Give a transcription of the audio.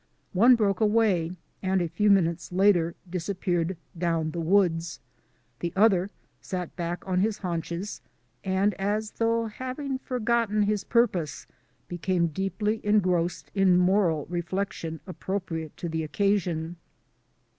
One broke away and a few minutes later disappeared down in the woods. The other sat back on his haunches, and as though having forgotten his purpose, became deeply engrossed in moral reflection appropriate to the occasion.